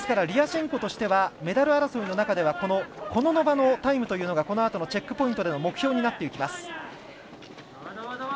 リアシェンコとしてはメダル争いの中ではコノノバのタイムというのがこのあとのチェックポイントの目標になっていきます。